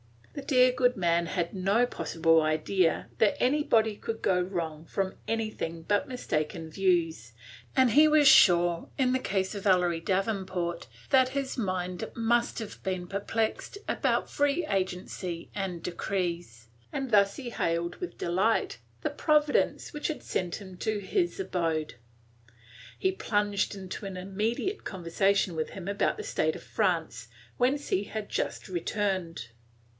The dear, good man had no possible idea that anybody could go wrong from any thing but mistaken views, and he was sure, in the case of Ellery Davenport, that his mind must have been perplexed about free agency and decrees, and thus he hailed with delight the Providence which had sent him to his abode. He plunged into an immediate conversation with him about the state of France, whence he had just returned.